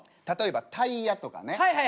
例えば「タイヤ」とかね。